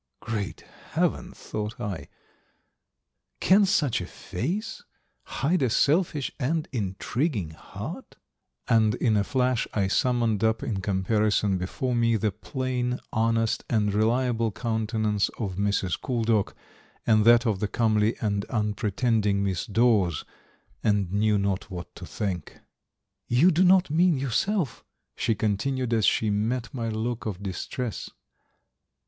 "Great heaven!" thought I, "can such a face hide a selfish and intriguing heart?" and in a flash I summoned up in comparison before me the plain, honest, and reliable countenance of Mrs. Couldock and that of the comely and unpretending Miss Dawes, and knew not what to think. "You do not mean yourself?" she continued as she met my look of distress.